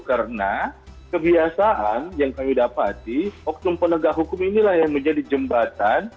karena kebiasaan yang kami dapati oknum penegak hukum inilah yang menjadi jembatan